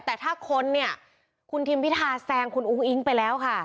แต่ถ้าคนเนี่ยคุณทิมพิธาแซงคุณอุ้งอิ๊งไปแล้วค่ะ